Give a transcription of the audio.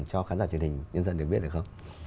cho khán giả truyền hình nhân dân được biết được không